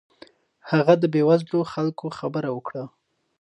هغه د بې وزلو خلکو خبره وکړه.